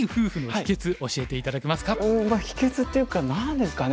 秘けつっていうか何ですかね。